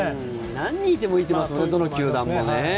何人いてもいいって言いますからねどの球団も。